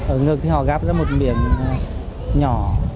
ở ngực thì họ gắp ra một miệng nhỏ